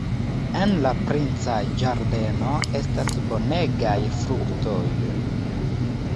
En la princa ĝardeno estas bonegaj fruktoj.